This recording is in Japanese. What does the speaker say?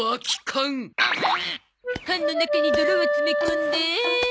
缶の中に泥を詰め込んで。